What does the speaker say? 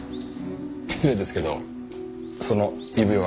失礼ですけどその指輪は？